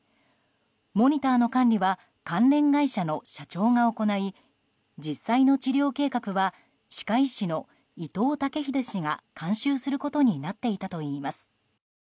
モニターの管理は関連会社の社長が行い実際の治療計画は歯科医師の伊藤剛秀氏が監修することになっていたといいます。